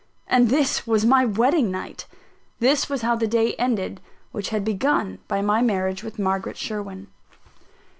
And this was my wedding night! This was how the day ended which had begun by my marriage with Margaret Sherwin!